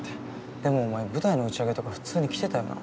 でもお前舞台の打ち上げとか普通に来てたよな。